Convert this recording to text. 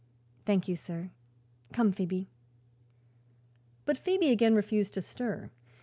"Thank you, sir. Come, Phoebe." But Phoebe again refused to stir.